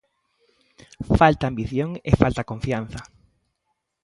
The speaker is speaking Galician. Falta ambición e falta confianza.